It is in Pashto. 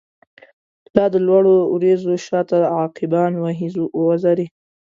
لا د لوړو وریځو شا ته، عقابان وهی وزری